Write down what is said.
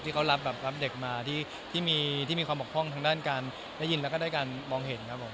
ที่เขารับแบบรับเด็กมาที่มีความบกพร่องทางด้านการได้ยินแล้วก็ได้การมองเห็นครับผม